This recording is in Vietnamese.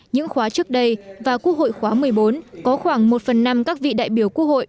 những khóa trước đây và quốc hội khóa một mươi bốn có khoảng một phần năm các vị đại biểu quốc hội